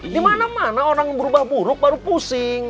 di mana mana orang berubah buruk baru pusing